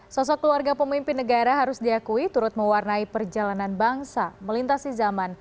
sosok keluarga pemimpin negara harus diakui turut mewarnai perjalanan bangsa melintasi zaman